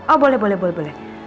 oh boleh boleh boleh